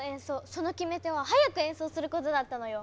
その決め手は速く演奏することだったのよ。